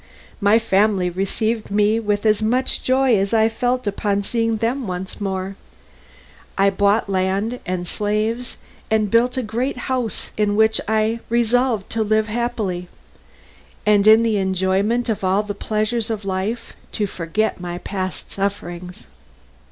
My family received me with as much joy as I felt upon seeing them once more. I bought land and slaves, and built a great house in which I resolved to live happily, and in the enjoyment of all the pleasures of life to forget my past sufferings.